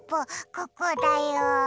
ここだよ。